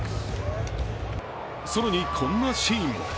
更に、こんなシーンも。